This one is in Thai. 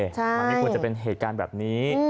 มันไม่ควรจะเป็นเหตุการณ์แบบนี้